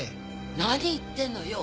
何言ってんのよ！？